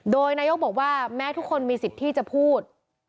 โดยนายกบอกว่าแม้ทุกคนมีสิทธิ์ที่จะพูด